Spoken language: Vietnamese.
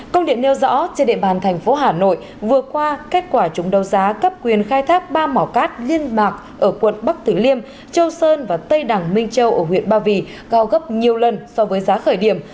công điện nêu rõ trên địa bàn thành phố hà nội vừa qua kết quả chúng đấu giá cấp quyền khai thác ba mỏ cát liên mạc ở quận bắc thứ liêm châu sơn và tây đằng minh châu ở huyện ba vì cao gấp nhiều lần so với giá khởi điểm